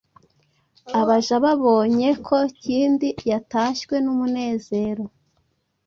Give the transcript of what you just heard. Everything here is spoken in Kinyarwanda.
Abaja babonye ko Kindi yatashywe n’umunezero,